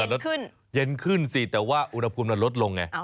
เออเย็นขึ้นแต่ว่าอุณหภูมิมันลดลง